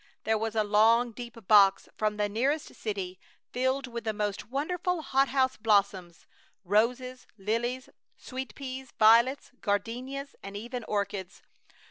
There was a long, deep box from the nearest city filled with the most wonderful hothouse blossoms: roses, lilies, sweet peas, violets, gardenias, and even orchids.